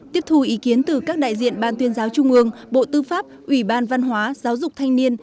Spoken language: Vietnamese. tiếp thu ý kiến từ các đại diện ban tuyên giáo trung ương bộ tư pháp ủy ban văn hóa giáo dục thanh niên